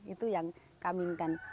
itu yang kami inginkan